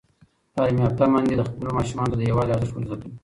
تعلیم یافته میندې خپلو ماشومانو ته د یووالي ارزښت ور زده کوي.